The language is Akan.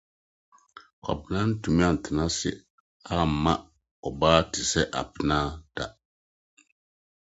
Kwabena antumi antra ase amma ɔbea te sɛ Abena da.